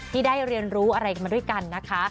ที่ได้เรียนรู้อะไรกันมาด้วยกันนะคะ